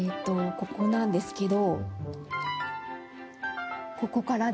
ここなんですけど。